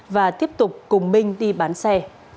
và tiếp tục cùng minh đi bán xe